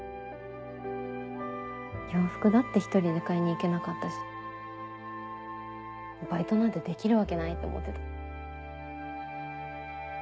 洋服だって１人で買いに行けなかったしバイトなんてできるわけないと思ってた。